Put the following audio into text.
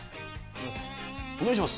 お願いします。